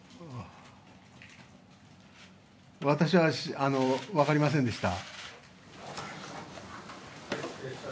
私は分かりませんでした。